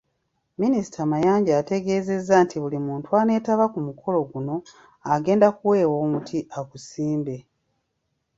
Minisita Mayanja ategezeezza nti buli muntu aneetaba ku mukolo guno agenda kuweebwa omuti agusimbe.